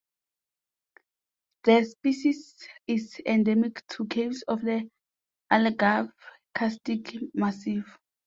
The species is endemic to caves of the Algarve karstic massif.